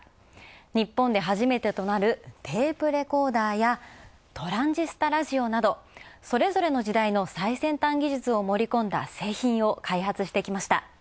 日本で初めてとなるテープレコーダーや、トランジスタラジオなど、それぞれの時代の最先端技術を盛り込んだ製品を開発して来ました。